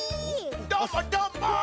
どーもどーも！